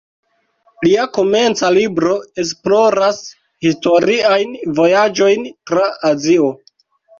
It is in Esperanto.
Lia komenca libro esploras historiajn vojaĝojn tra Azio.